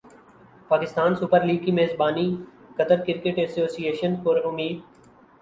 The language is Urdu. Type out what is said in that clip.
پاکستان سپر لیگ کی میزبانیقطر کرکٹ ایسوسی ایشن پر امید